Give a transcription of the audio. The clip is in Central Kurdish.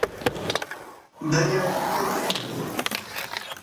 دەریاچەکە پیس بووە.